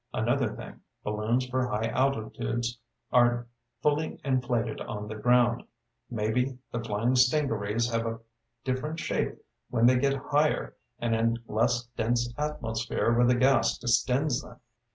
Another thing balloons for high altitudes aren't fully inflated on the ground. Maybe the flying stingarees have a different shape when they get higher and in less dense atmosphere where the gas distends them."